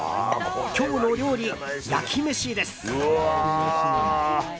今日の料理、焼き飯です。